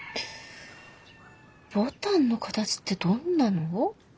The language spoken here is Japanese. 牡丹の形ってどんなの？